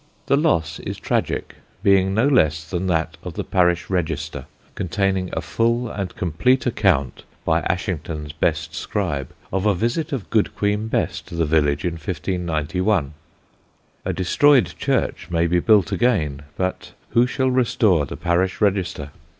The loss is tragic, being no less than that of the parish register containing a full and complete account, by Ashington's best scribe, of a visit of Good Queen Bess to the village in 1591. A destroyed church may be built again, but who shall restore the parish register?